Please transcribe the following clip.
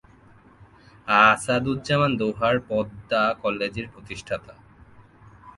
আসাদুজ্জামান দোহার পদ্মা কলেজের প্রতিষ্ঠাতা।